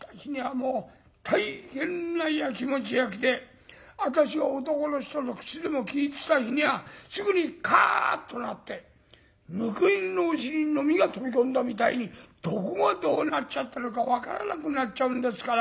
もう大変なやきもちやきで私が男の人と口でも利いてた日にゃすぐにカーッとなってむく犬のお尻に蚤が飛び込んだみたいにどこがどうなっちゃったのか分からなくなっちゃうんですから。